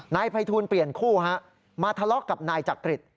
นายภัยทูลเปลี่ยนคู่มาทะเลาะกับนายจักริต